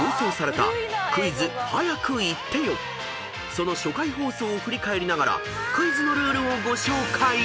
［その初回放送を振り返りながらクイズのルールをご紹介］